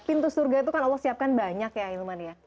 pintu surga itu kan allah siapkan banyak ya ahilman ya